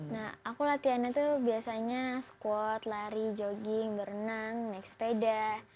nah aku latihannya tuh biasanya squad lari jogging berenang naik sepeda